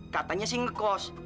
katanya sih ngekos